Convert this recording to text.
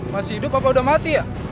masih hidup apa udah mati ya